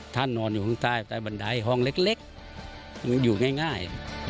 นอนอยู่ข้างใต้บันไดห้องเล็กมันอยู่ง่าย